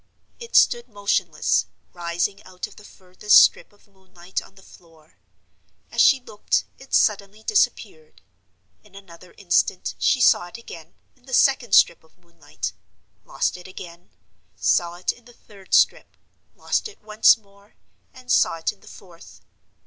It stood motionless, rising out of the furthest strip of moonlight on the floor. As she looked, it suddenly disappeared. In another instant she saw it again, in the second strip of moonlight—lost it again—saw it in the third strip—lost it once more—and saw it in the fourth.